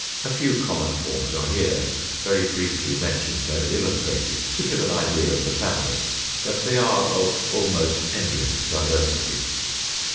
A few common forms are here very briefly mentioned and illustrated, to give an idea of the family. But they are of almost endless diversity.